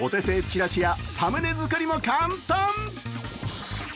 チラシやサムネ作りも簡単。